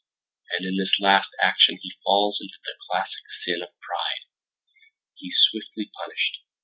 And in this last action he falls into the classic sin of Pride. He's swiftly punished.